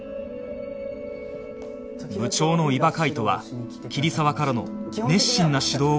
部長の伊庭海斗は桐沢からの熱心な指導を期待していたが